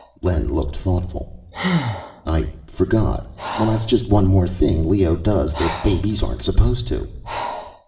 Len looked thoughtful. "I forgot. Well, that's just one more thing Leo does that babies aren't supposed to do."